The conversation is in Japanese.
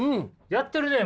やってるね！